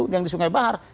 yang di sungai bahar